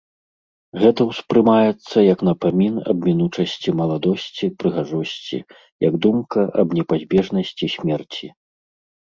Гэта ўспрымаецца як напамін аб мінучасці маладосці, прыгажосці, як думка аб непазбежнасці смерці.